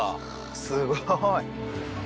すごい。